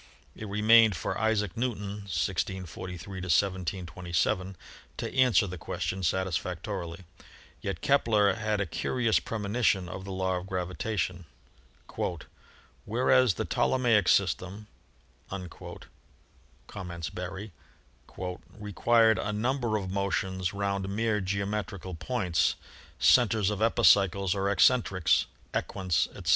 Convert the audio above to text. It remained for Isaac Newton (1643 1727) to answer the question satisfactorily ; yet Kepler had a curious premonition of the law of gravitation. "Whereas the Ptolemaic system," com ments Berry, "required a number of motions round mere geometrical points, centers of epicycles or eccentrics, equants, etc.